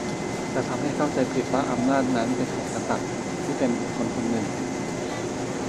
จะทำให้เข้าใจผิดไปว่าอำนาจนั้นเป็นของกษัตริย์ที่เป็นบุคคลคนหนึ่ง